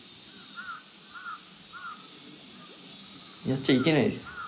やっちゃいけないです。